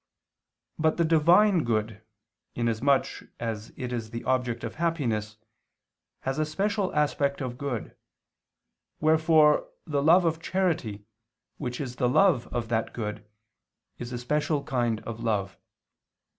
But the Divine good, inasmuch as it is the object of happiness, has a special aspect of good, wherefore the love of charity, which is the love of that good, is a special kind of love.